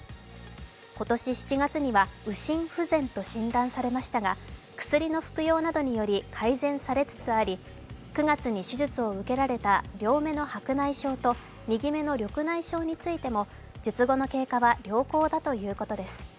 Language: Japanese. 今年７月には右心不全と診断されましたが、薬の服用などにより改善されつつあり９月に手術を受けられた両目の白内障と右目の緑内障についても術後の経過は良好だということです。